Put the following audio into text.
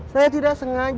saya tdah sengaja